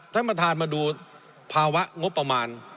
ท่านประธานมาดูภาวะงบประมาณ